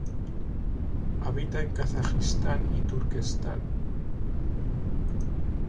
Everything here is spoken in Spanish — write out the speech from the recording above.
Habita en Kazajistán y Turquestán.